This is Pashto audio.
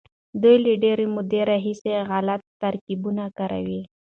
دوی له ډېرې مودې راهيسې غلط ترکيبونه کاروي.